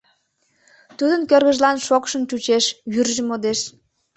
Тудын кӧргыжлан шокшын чучеш, вӱржӧ модеш.